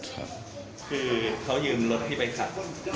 คือเขายืมรถพี่ไปขับ